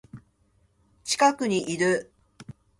近くにいる